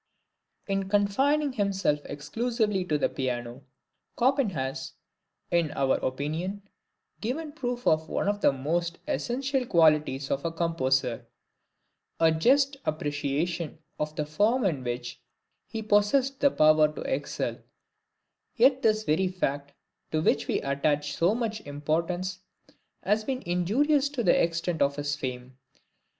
In confining himself exclusively to the Piano, Chopin has, in our opinion, given proof of one of the most essential qualities of a composer a just appreciation of the form in which he possessed the power to excel; yet this very fact, to which we attach so much importance, has been injurious to the extent of his fame.